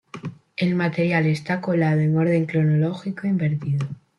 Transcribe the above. El material está colocado en orden cronológico invertido.